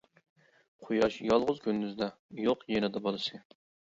قۇياش يالغۇز كۈندۈزدە، يوق يېنىدا بالىسى.